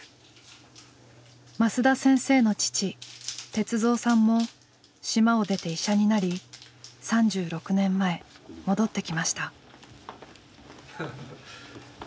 升田先生の父鉄三さんも島を出て医者になり３６年前戻ってきました。